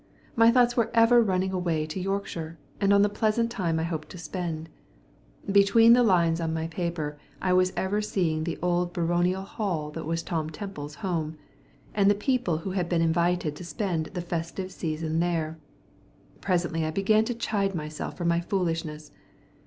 My thoughts were ever running away to Yorkshire, and on the pleasant time I hoped to spend. Between the lines on my paper I was ever seeing the old baronial hall that was Tom Temple's home, and the people who had been invited to spend the festive season there. Presently I began to chide myself for my foolishness.